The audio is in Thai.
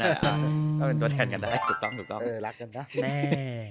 เอาเป็นตัวแทนกันได้ถูกต้องถูกต้องเออรักกันนะแม่